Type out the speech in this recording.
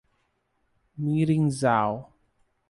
Mirinzal